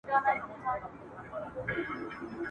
ساقي نن دي زما نوبت ته څنګه پام سو ..